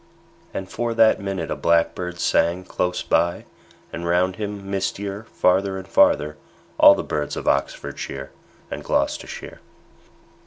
And for that minute a blackbird sang Close by, and round him, mistier, Farther and farther, all the birds Of Oxfordshire and Gloustershire.